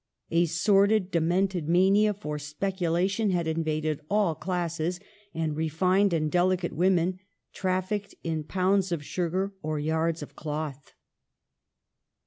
A sordid, demented mania for speculation had invaded all classes,, and refined and delicate women trafficked in pounds of sugar or yards of cloth.